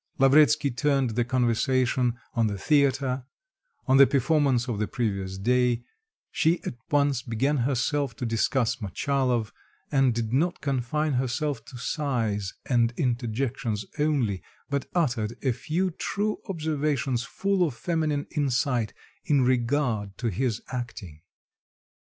Lavretsky turned the conversation on the theater, on the performance of the previous day; she at once began herself to discuss Motchalov, and did not confine herself to sighs and interjections only, but uttered a few true observations full of feminine insight in regard to his acting.